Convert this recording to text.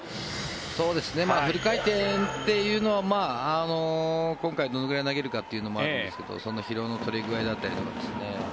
フル回転というのは今回、どのくらい投げるかというのもあるんですけど疲労の取れ具合だったりとか。